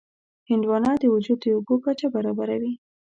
هندوانه د وجود د اوبو کچه برابروي.